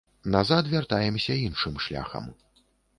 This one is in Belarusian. Назад вяртаемся іншым шляхам.